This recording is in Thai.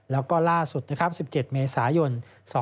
และก็ล่าสุด๑๗เมษายน๒๕๕๙